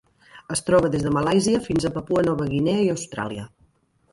Es troba des de Malàisia fins a Papua Nova Guinea i Austràlia.